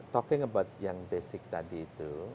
talking about yang basic tadi itu